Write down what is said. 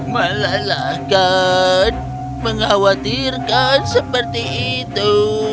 malah kan mengkhawatirkan seperti itu